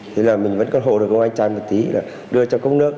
thấy là mình vẫn còn hộ được ông anh trai một tí là đưa cho cốc nước